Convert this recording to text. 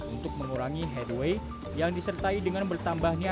untuk mengurangi headway yang disertai dengan bertambahnya